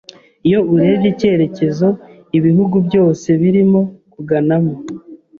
iyo urebye icyerekezo ibihugu byose birimo kuganamo